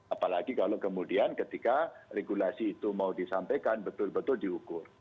apalagi kalau kemudian ketika regulasi itu mau disampaikan betul betul diukur